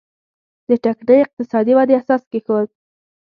د ټکنۍ اقتصادي ودې اساس کېښود.